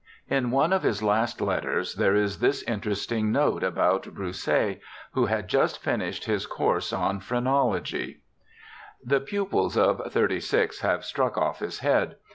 In one of his last letters there is this interesting note about Broussais, who had just finished his course on phrenology : 'The pupils of '36 have struck off his head.